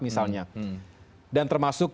misalnya dan termasuk